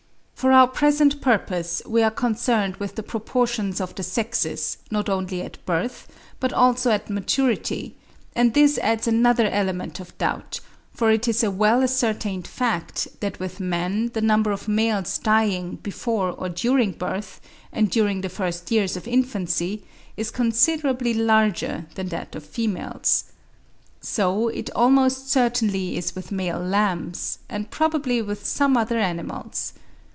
For our present purpose we are concerned with the proportions of the sexes, not only at birth, but also at maturity, and this adds another element of doubt; for it is a well ascertained fact that with man the number of males dying before or during birth, and during the first two years of infancy, is considerably larger than that of females. So it almost certainly is with male lambs, and probably with some other animals.